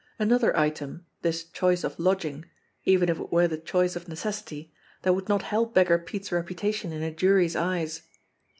Another item, this choice of lodging, even if it were the choice of necessity, that would not help Beggar Pete's reputation in a jury's eyes